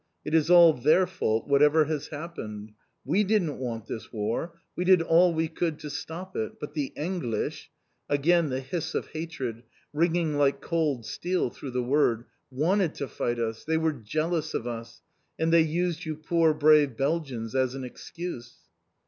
It is all their fault, whatever has happened. We didn't want this war. We did all we could to stop it. But the 'Englisch' (again the hiss of hatred, ringing like cold steel through the word) wanted to fight us, they were jealous of us, and they used you poor brave Belgians as an excuse!"